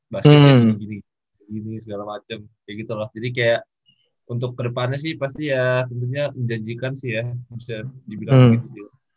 basisnya gini gini segala macem kayak gitu loh jadi kayak untuk kedepannya sih pasti ya tentunya menjanjikan sih ya bisa dibilang begitu juga